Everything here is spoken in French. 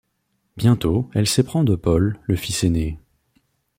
Bientôt, elle s'éprend de Paul, le fils aîné.